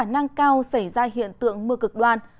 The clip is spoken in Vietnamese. năng cao xảy ra hiện tượng mưa cực đoan